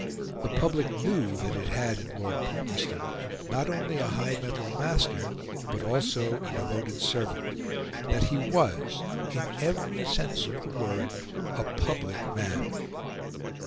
The public knew that it had in Lord Palmerston not only a high mettled master, but also a devoted servant that he was, in every sense of the word, a public man.